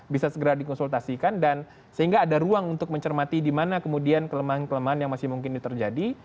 bisa segera dikonsultasikan dan sehingga ada ruang untuk mencermati di mana kemudian kelemahan kelemahan yang masih mungkin ini terjadi